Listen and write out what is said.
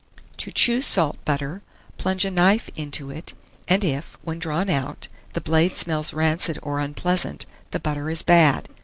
To choose salt butter, plunge a knife into it, and if, when drawn out, the blade smells rancid or unpleasant, the butter is bad.